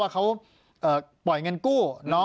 ปากกับภาคภูมิ